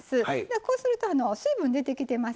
こうすると水分、出てきてます